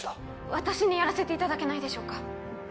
私にやらせていただけないでしょうか